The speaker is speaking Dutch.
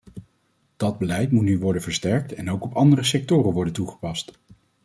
Dat beleid moet nu worden versterkt en ook op andere sectoren worden toegepast.